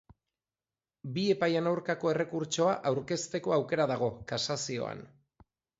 Bi epaien aurkako errekurtsoa aurkezteko aukera dago, kasazioan.